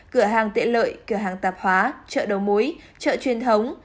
cửa hàng tiện lợi cửa hàng tạp hóa chợ đầu mối chợ truyền thống